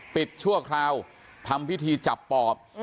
ชั่วคราวทำพิธีจับปอบ